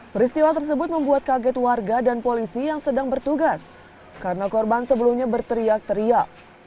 peristiwa tersebut membuat kaget warga dan polisi yang sedang bertugas karena korban sebelumnya berteriak teriak